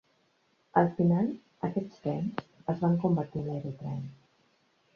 Al final, aquests trens es van convertir en l'aerotrèn.